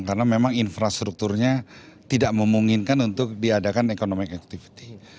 karena memang infrastrukturnya tidak memunginkan untuk diadakan ekonomi activity